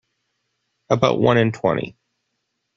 About one in twenty.